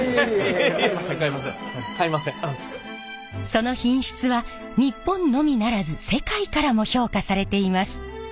その品質は日本のみならず世界からも評価されています。